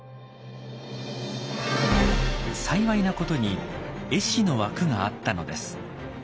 幸いなことに絵師の枠があったのです。